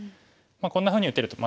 こんなふうに打てると。